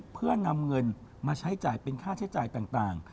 เพื่อนำเงินมาใช้จ่ายเป็นค่าใช้จ่ายต่าง